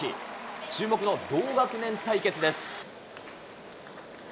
注目の同学年対決です。